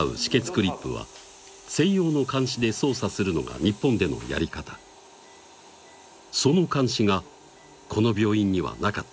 クリップは専用の鉗子で操作するのが日本でのやり方その鉗子がこの病院にはなかっ